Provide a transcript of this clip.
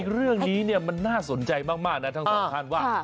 เรื่องนี้มันน่าสนใจมากนะทั้งสองท่านว่า